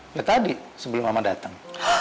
ya tadi sebelum mama datang